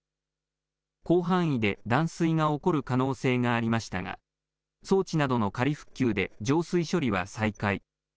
広範囲で断水が起こる可能性がありましたが装置などの仮復旧で浄水処理は再開。